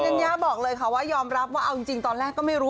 ัญญาบอกเลยค่ะว่ายอมรับว่าเอาจริงตอนแรกก็ไม่รู้